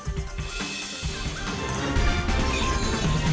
tadi ada yang